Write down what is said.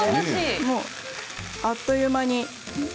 あっという間に。